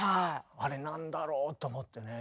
あれ何だろう？と思ってね。